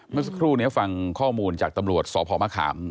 เมื่อสักครู่นี้ฟังข้อมูลจากตำรวจสพมะขาม